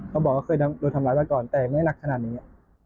บอกว่าเคยโดนทำร้ายมาก่อนแต่ไม่หนักขนาดนี้